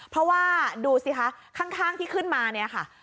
เพราะว่าดูสิคะข้างที่ขึ้นมาเนี่ยค่ะ